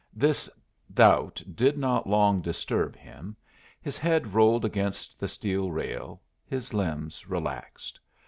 This doubt did not long disturb him. His head rolled against the steel rail, his limbs relaxed.